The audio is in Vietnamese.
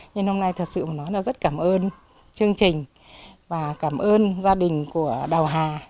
nhưng hôm nay thật sự nói là rất cảm ơn chương trình và cảm ơn gia đình của đào hà